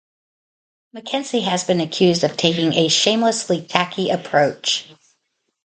MacKenzie has been accused of taking a "shamelessly tacky approach".